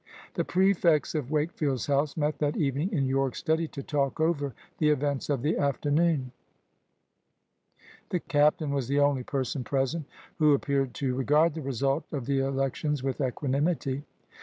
The prefects of Wakefield's house met that evening in Yorke's study to talk over the events of the afternoon. The captain was the only person present who appeared to regard the result of the elections with equanimity.